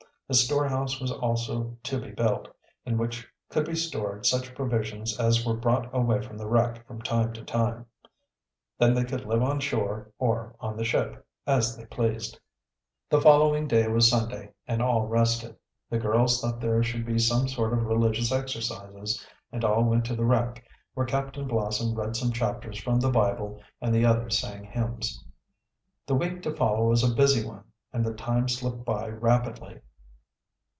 A store house was also to be built, in which could be stored such provisions as were brought away from the wreck from time to time. Then they could live on shore or on the ship, as they pleased. The following day was Sunday and all rested. The girls thought there should be some sort of religious exercises and all went to the wreck, where Captain Blossom read some chapters from the Bible and the others sang hymns. The week to follow was a busy one and the time slipped by rapidly.